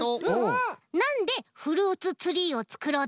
なんでフルーツツリーをつくろうとおもったの？